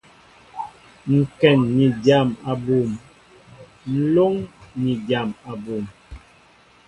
Ŋkɛn ni dyam abum, nlóŋ ni dyam abum.